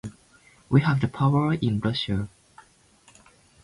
We have the power in Russia!